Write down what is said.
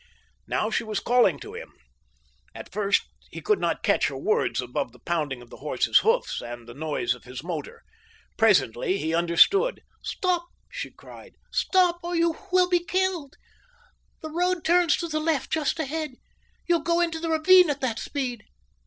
Now she was calling to him. At first he could not catch her words above the pounding of the horse's hoofs and the noise of his motor. Presently he understood. "Stop!" she cried. "Stop or you will be killed. The road turns to the left just ahead. You'll go into the ravine at that speed."